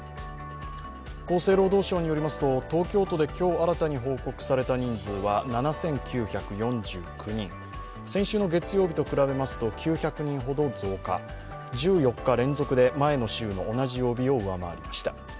厚生労働省によりますと東京都で今日新たに報告された人数は７９４９人、先週の月曜日と比べますと９００人ほど増加１４日連続で前の週の同じ曜日を上回りました。